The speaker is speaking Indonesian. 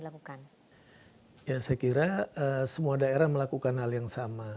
saya kira semua daerah melakukan hal yang sama